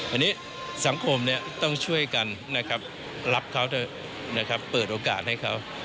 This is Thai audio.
อันนี้สังคมต้องช่วยกันนะครับรับเขาเถอะนะครับเปิดโอกาสให้เขา